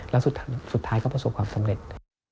แล้วสุดท้ายก็ประสบความสำเร็จ